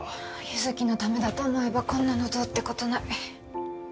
優月のためだと思えばこんなのどうってことない